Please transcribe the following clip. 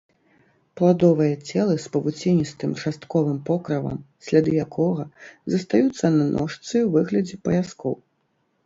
Пладовыя целы з павуціністым частковым покрывам, сляды якога застаюцца на ножцы ў выглядзе паяскоў.